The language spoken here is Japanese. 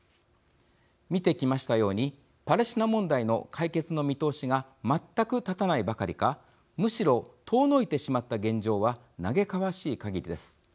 見てきましたようにパレスチナ問題の解決の見通しが全く立たないばかりかむしろ遠のいてしまった現状は嘆かわしいかぎりです。